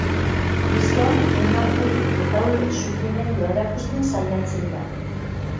Gizon, emakume eta haurren sufrimendua erakusten saiatzen da.